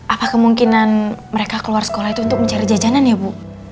apa kemungkinan mereka keluar sekolah itu untuk mencari jajanan ya bu